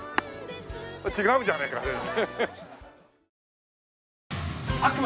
違うじゃねえか全然。